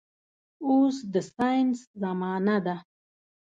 اوس د ساينس زمانه ده